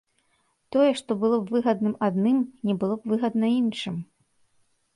Тое, што было б выгадна адным, не было б выгадна іншым.